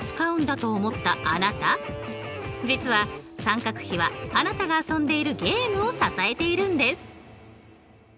実は三角比はあなたが遊んでいるゲームを支えているんです。